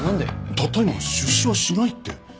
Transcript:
たった今出資はしないって。